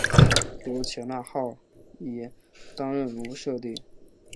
由前纳浩一担任人物设定。